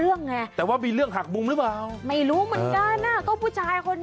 วิทยาลัยศาสตร์อัศวิทยาลัยศาสตร์